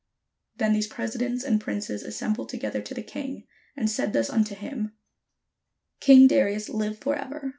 Then these presidents and princes assembled together to the king, and said thus unto him: "King Darius, live for ever.